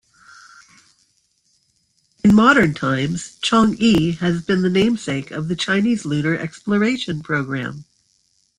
In modern times, Chang'e has been the namesake of the Chinese Lunar Exploration Program.